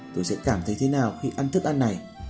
tôi sẽ cảm thấy thế nào khi ăn thức ăn này